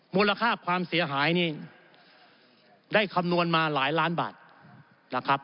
มูลค่าความเสียหายนี่ได้คำนวณมาหลายล้านบาทนะครับ